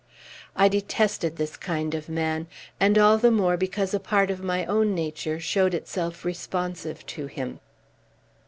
I detested this kind of man; and all the more because a part of my own nature showed itself responsive to him.